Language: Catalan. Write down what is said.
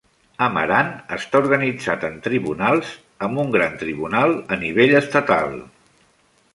Amaranth està organitzat en Tribunals, amb un Gran Tribunal a nivell estatal.